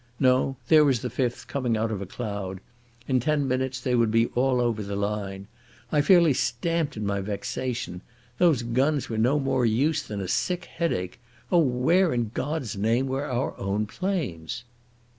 No, there was the fifth coming out of a cloud. In ten minutes they would be all over the line. I fairly stamped in my vexation. Those guns were no more use than a sick headache. Oh, where in God's name were our own planes?